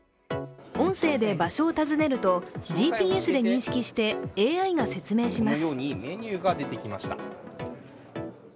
音声で場所を尋ねるとＧＰＳで認識してＡＩが説明します。